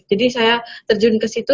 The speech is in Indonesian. jadi saya terjun ke situ